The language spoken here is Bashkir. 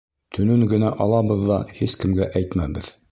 Төнөн генә алабыҙ ҙа, һис кемгә әйтмәбеҙ.